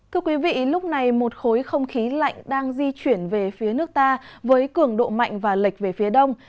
thưa quý vị lúc này một khối không khí lạnh đang di chuyển về phía nước ta với cường độ mạnh và lệch về phía đông